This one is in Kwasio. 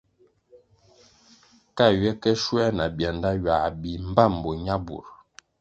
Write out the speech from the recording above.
Ka ywe ke shuoē na byanda, ywā bih mbpám bo ñabur.